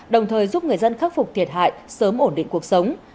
đồng thời giúp người dân khắc phục thiệt hại sớm ổn định cuộc sống